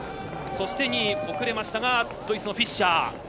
そして２位は遅れましたがドイツのフィッシャー。